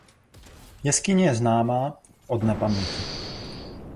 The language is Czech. Jeskyně je známá od nepaměti.